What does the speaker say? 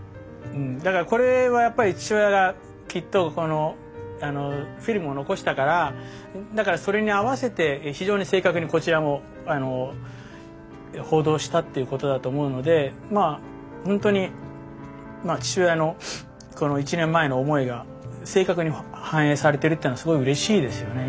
だからこれはやっぱり父親がきっとこのフィルムを残したからだからそれに合わせて非常に正確にこちらも報道したっていうことだと思うのでまあほんとに父親のこの１年前の思いが正確に反映されてるというのはすごいうれしいですよね。